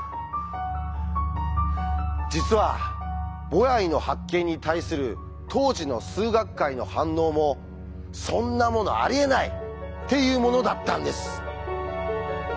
実はボヤイの発見に対する当時の数学界の反応も「そんなものありえない！」っていうものだったんです。